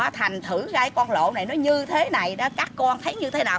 thành thử ra con lỗ này nó như thế này các con thấy như thế nào